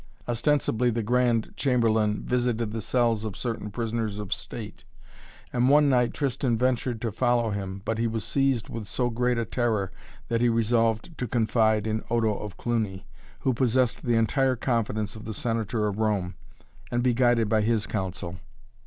Ostensibly the Grand Chamberlain visited the cells of certain prisoners of state, and one night Tristan ventured to follow him. But he was seized with so great a terror that he resolved to confide in Odo of Cluny, who possessed the entire confidence of the Senator of Rome, and be guided by his counsel.